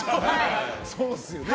そうっすよね。